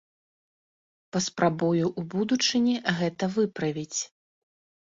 Паспрабую ў будучыні гэта выправіць.